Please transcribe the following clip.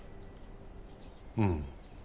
うん。